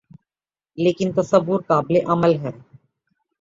لیکن تصور قابلِعمل ہے